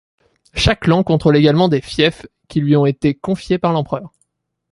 Chaque clan contrôle également des fiefs qui lui ont été confiés par l'Empereur.